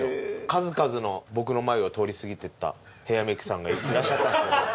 数々の僕の前を通り過ぎていったヘアメイクさんがいらっしゃったんです。